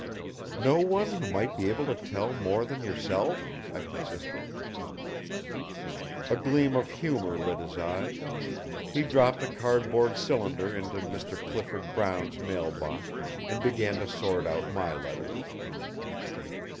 "No one who might be able to tell more than yourself?" I persisted. A gleam of humor lit his eyes. He dropped a cardboard cylinder into Mr. Clifford Brown's mailbox and began to sort out my letters.